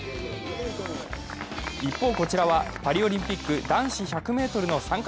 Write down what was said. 一方、こちらはパリオリンピック、男子１００ｍの参加